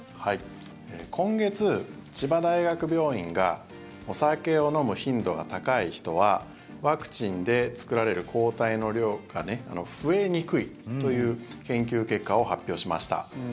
今月、千葉大学病院がお酒を飲む頻度が高い人はワクチンで作られる抗体の量が増えにくいという研究結果を発表しました。